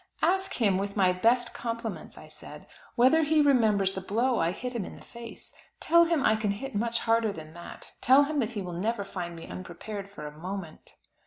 "Ask him, with my best compliments," I said, "whether he remembers the blow I hit him in the face. Tell him I can hit much harder than that; tell him that he will never find me unprepared, for a moment."